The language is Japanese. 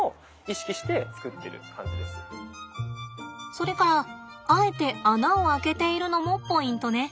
それからあえて穴を開けているのもポイントね。